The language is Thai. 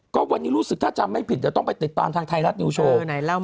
ก็วันนี้รู้สึกถ้าจำไม่ผิดเดี๋ยวต้องไปติดตามทางไทยรัฐนิวโชว์